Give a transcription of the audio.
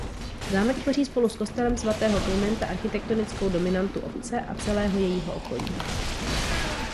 Zámek tvoří spolu s kostelem svatého Klimenta architektonickou dominantu obce a celého jejího okolí.